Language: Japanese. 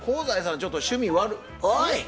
ちょっと趣味悪。おい！